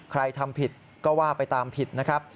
ทำผิดก็ว่าไปตามผิดนะครับ